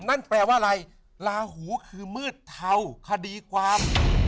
นั่นแปลว่าอะไรลาหูคือมืดเทาคดีความ